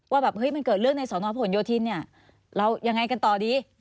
ว่ามันเกิดเรื่องในฉศโยธิเนี่ยล้วยังไงกันต่อดี